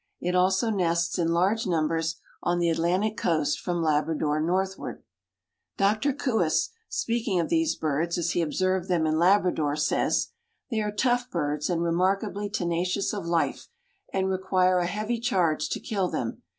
It also nests in large numbers on the Atlantic coast from Labrador northward. Dr. Coues, speaking of these birds as he observed them in Labrador, says, "They are tough birds and remarkably tenacious of life and require a heavy charge to kill them.